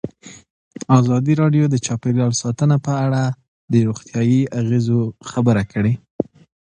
ازادي راډیو د چاپیریال ساتنه په اړه د روغتیایي اغېزو خبره کړې.